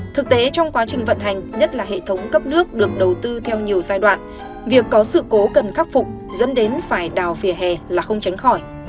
thực tế trong quá trình vận hành nhất là hệ thống cấp nước được đầu tư theo nhiều giai đoạn việc có sự cố cần khắc phục dẫn đến phải đào vỉa hè là không tránh khỏi